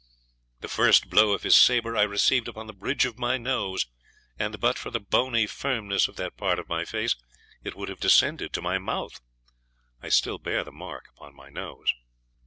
The first blow of his sabre I received upon the bridge of my nose, and but for the bony firmness of that part of my face, it would have descended to my mouth. I still bear the mark upon my nose.